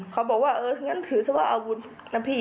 เขาบอกว่าเออถือเสียว่าเอาบุญนะพี่